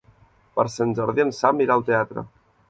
Per Sant Jordi en Sam irà al teatre.